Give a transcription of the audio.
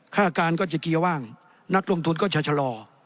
ค่าการก็จะเกียร์ว่างนักลงทุนก็จะชะลอ